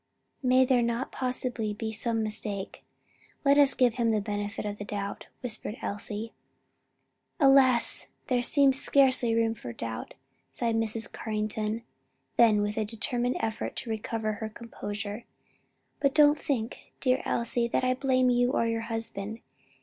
"May there not possibly be some mistake. Let us give him the benefit of the doubt," whispered Elsie. "Alas there seems scarcely room for doubt!" sighed Mrs. Carrington, then, with a determined effort to recover her composure, "But don't think, dear Elsie, that I blame you or your husband.